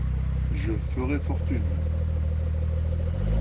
Je ferai fortune.